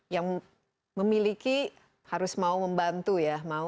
yang memiliki harus mau membantu ya